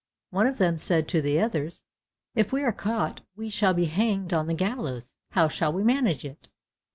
One of them said to the others, "If we are caught we shall be hanged on the gallows; how shall we manage it?"